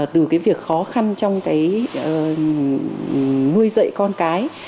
từ việc khó khăn trong nuôi dậy con cái